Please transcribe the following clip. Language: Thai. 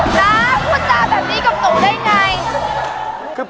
น้ำพูดจางแบบนี้กับหนูได้ไง